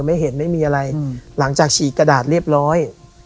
ไม่เห็นไม่มีอะไรหลังจากฉีกกระดาษเรียบร้อย